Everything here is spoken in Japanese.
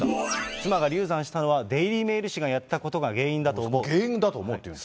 妻が流産したのは、デイリー・メール紙がやったことが原因だ原因だと思うって言うんです